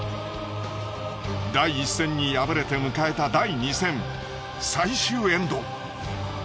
第１戦に敗れて迎えた第２戦最終エンド。